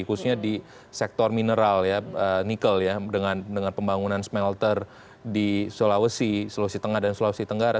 khususnya di sektor mineral ya nikel ya dengan pembangunan smelter di sulawesi sulawesi tengah dan sulawesi tenggara